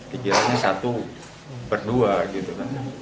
pikirannya satu berdua gitu kan